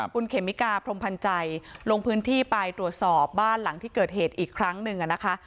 คุณเขมิกาพรมพันธ์ใจลงพื้นที่ไปตรวจสอบบ้านหลังที่เกิดเหตุอีกครั้งหนึ่งนะคะ